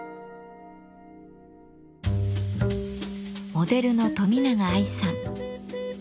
モデルの冨永愛さん。